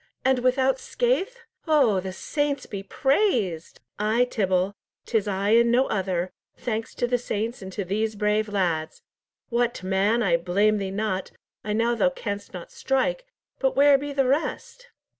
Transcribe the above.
and without scathe? Oh, the saints be praised!" "Ay, Tibble, 'tis I and no other, thanks to the saints and to these brave lads! What, man, I blame thee not, I know thou canst not strike; but where be the rest?"